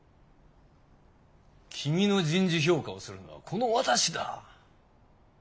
君の人事評価をするのはこの私だ。